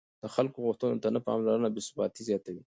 د خلکو غوښتنو ته نه پاملرنه بې ثباتي زیاتوي